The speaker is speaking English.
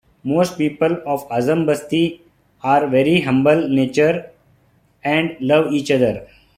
Mostly People of Azam Basti are very humble Nature and love each other.